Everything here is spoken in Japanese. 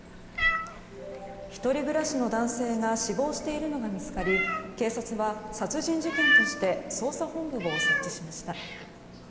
１人暮らしの男性が死亡しているのが見つかり警察は殺人事件として捜査本部を設置しました。